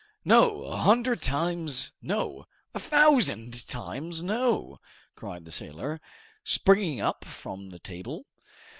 "No! a hundred times no! a thousand times no!" cried the sailor, springing up from the table.